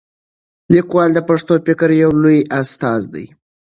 لیکوال د پښتو فکر یو لوی استازی دی.